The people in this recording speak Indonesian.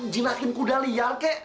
jinakin kuda liar kek